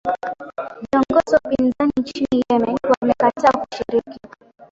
viongozi wa upinzani nchini yemen wamekataa kushiriki